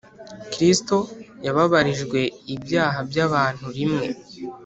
Kristo yababarijwe ibyaha by'abantu rimwe,